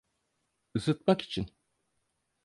Isıtmak için…